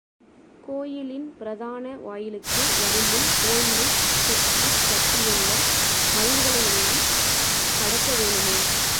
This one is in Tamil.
கோயிலின் பிரதான வாயிலுக்கு வருமுன் கோயிலைச் சுற்றிக் கட்டியுள்ள மதில்களையெல்லாம் கடக்கவேணுமே.